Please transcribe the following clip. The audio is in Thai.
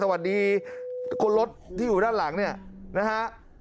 สวัสดีคนรถที่อยู่ด้านหลังเนี่ยนะฮะ